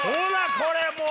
これもう。